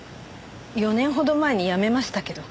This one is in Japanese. ４年ほど前に辞めましたけど。